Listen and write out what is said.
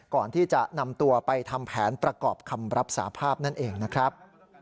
ก่อนที่จะนำตัวไปทำแผนประกอบคำรับสาภาพนั่นเองนะครับ